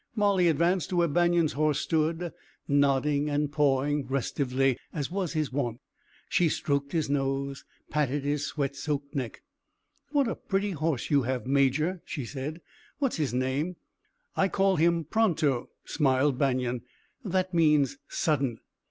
Molly advanced to where Banion's horse stood, nodding and pawing restively as was his wont. She stroked his nose, patted his sweat soaked neck. "What a pretty horse you have, major," she said. "What's his name?" "I call him Pronto," smiled Banion. "That means sudden."